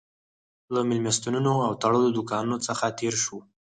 له مېلمستونونو او تړلو دوکانونو څخه تېر شوو.